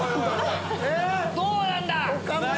どうなんだ